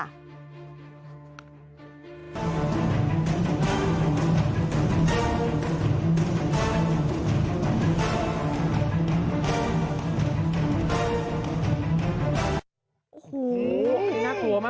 โอ้โหน่ากลัวมาก